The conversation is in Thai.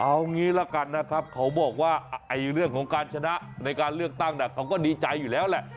เอางี้ละกันนะครับเขาบอกว่าเรื่องของการชนะในการเลือกตั้งเขาก็ดีใจอยู่แล้วแหละ